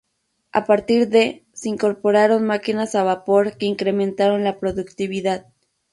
A partir de se incorporaron máquinas a vapor que incrementaron la productividad.